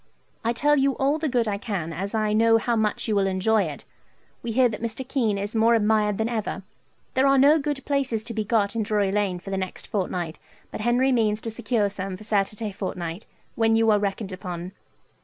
I tell you all the good I can, as I know how much you will enjoy it. We hear that Mr. Kean is more admired than ever. There are no good places to be got in Drury Lane for the next fortnight, but Henry means to secure some for Saturday fortnight, when you are reckoned upon.